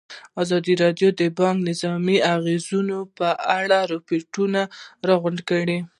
ازادي راډیو د بانکي نظام د اغېزو په اړه ریپوټونه راغونډ کړي.